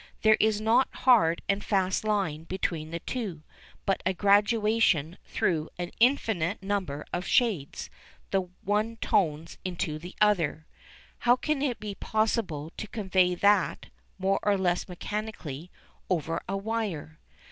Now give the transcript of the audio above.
There is no hard and fast line between the two, but by a gradation through an infinite number of shades the one tones into the other. How can it be possible to convey that, more or less mechanically, over a wire?